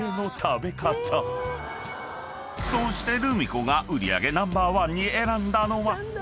［そしてルミ子が売り上げナンバーワンに選んだのは］